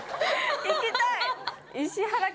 行きたい！